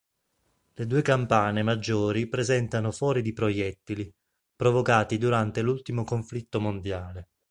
Le due campane maggiori presentano fori di proiettili, provocati durante l'ultimo conflitto mondiale.